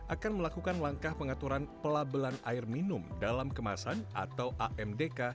akan melakukan langkah pengaturan pelabelan air minum dalam kemasan atau amdk